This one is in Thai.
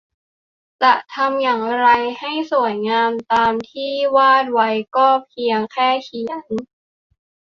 จะทำอย่างไรให้สวยงามตามที่วาดไว้ก็เพียงแค่เขียน